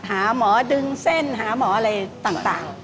หาหมอดึงเส้นหาหมออะไรต่าง